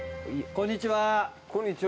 こんにちは。